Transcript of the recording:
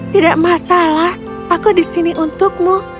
tidak masalah aku di sini untukmu